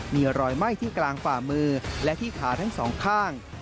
มีรอยไหม้ที่กลางฝ่ามือและที่ขาทั้งสองข้าง